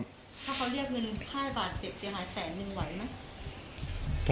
ถ้าเขาเรียกเงิน๕บาทเจ็บจะหาแสนหนึ่งไหวไหม